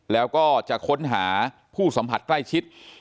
แล้วก็จะค้นหาผู้สัมผัสใกล้ชิด